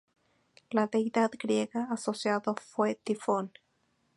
La deidad griega asociada fue Tifón.